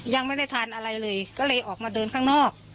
ยังไม่ได้ทานอะไรเลยก็เลยออกมาเดินข้างนอก